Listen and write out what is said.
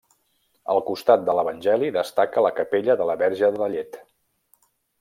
Al costat de l'Evangeli destaca la capella de la Verge de la Llet.